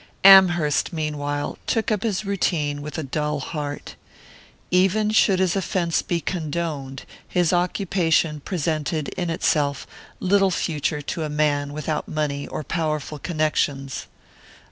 Amherst, meanwhile, took up his routine with a dull heart. Even should his offense be condoned, his occupation presented, in itself, little future to a man without money or powerful connections.